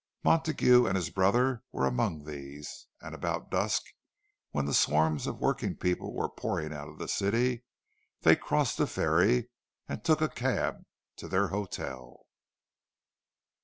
Montague and his brother were among these; and about dusk, when the swarms of working people were pouring out of the city, they crossed the ferry and took a cab to their hotel.